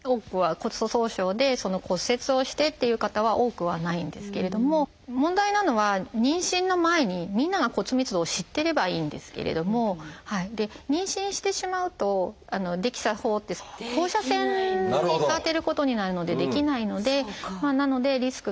骨粗しょう症で骨折をしてっていう方は多くはないんですけれども問題なのは妊娠の前にみんなが骨密度を知ってればいいんですけれども妊娠してしまうとＤＸＡ法って放射線を当てることになるのでできないのでなのでリスクが当てはまったりとか